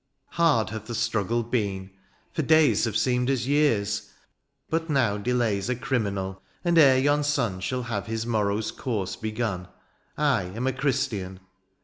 " Hard hath the struggle been — for days " Have seemed as years — ^but now delaya. " Are criminal ; and ere yon sun " Shall have his morrow's course begun, " I am a Christian.